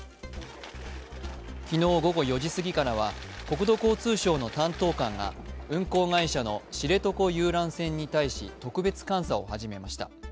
昨日午後４時すぎからは国土交通省の担当官が運航会社の知床遊覧船に対し、特別監査を始めました。